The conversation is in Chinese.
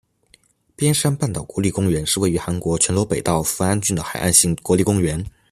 边山半岛国立公园是位于韩国全罗北道扶安郡的海岸型国立公园。